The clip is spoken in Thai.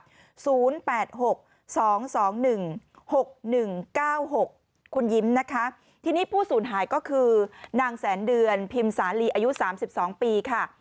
คุณยิ้มนะคะทีนี้ผู้สูญหายก็คือนางแสนเดือนพิมพ์สาลีอายุ๓๒ปีค่ะ